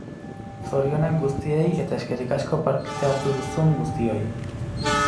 Zorionak guztiei, eta eskerrik asko parte hartu duzuen guztioi.